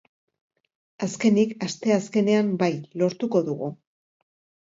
Azkenik asteazkenean, bai, lortuko dugu.